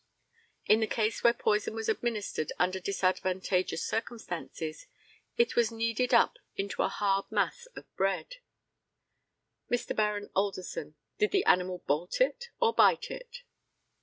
In the case where poison was administered under disadvantageous circumstances, it was kneaded up into a hard mass of bread. Mr. Baron ALDERSON: Did the animal bolt it or bite it?